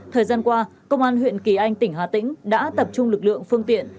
thời gian qua công an huyện kỳ anh tỉnh hà tĩnh đã tập trung lực lượng phương tiện